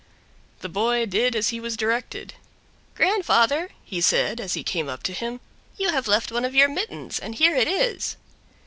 The boy did as he was directed. "Grandfather," he said, as he came up to him, "you have left one of your mittens, and here it is."